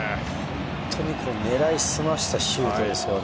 本当に狙い澄ましたシュートですね。